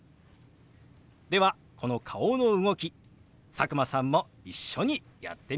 ではこの顔の動き佐久間さんも一緒にやってみましょう！